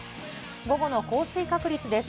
午後の降水確率です。